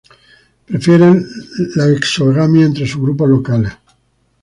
Prefieren la exogamia entre sus grupos locales.